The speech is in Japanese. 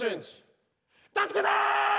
助けて！